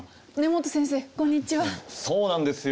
そうなんですよ。